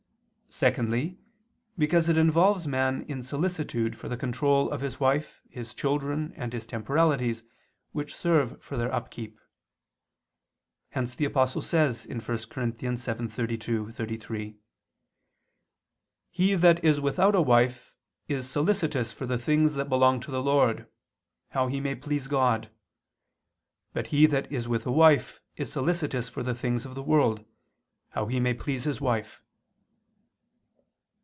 Secondly, because it involves man in solicitude for the control of his wife, his children, and his temporalities which serve for their upkeep. Hence the Apostle says (1 Cor. 7:32, 33): "He that is without a wife is solicitous for the things that belong to the Lord, how he may please God: but he that is with a wife is solicitous for the things of the world, how he may please his wife."